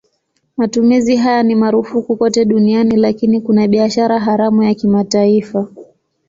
Matumizi haya ni marufuku kote duniani lakini kuna biashara haramu ya kimataifa.